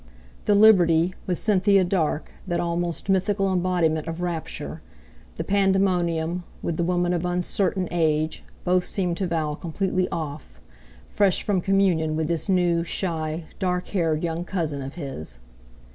The Liberty, with Cynthia Dark, that almost mythical embodiment of rapture; the Pandemonium, with the woman of uncertain age—both seemed to Val completely "off," fresh from communion with this new, shy, dark haired young cousin of his.